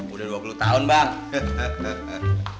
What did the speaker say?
udah dua puluh tahun bang